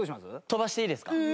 飛ばしていいですか？